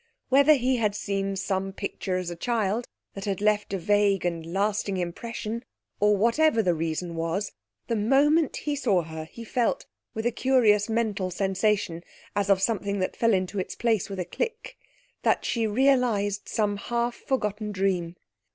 Whether he had seen some picture as a child that had left a vague and lasting impression, or whatever the reason was, the moment he saw her he felt, with a curious mental sensation, as of something that fell into its place with a click ('Ça y est!'), that she realised some half forgotten dream.